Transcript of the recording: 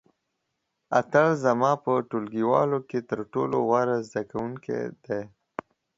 اتل زما په ټولګیوالو کې تر ټولو غوره زده کوونکی دی.